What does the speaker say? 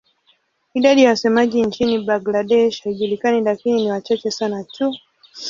Idadi ya wasemaji nchini Bangladesh haijulikani lakini ni wachache sana tu.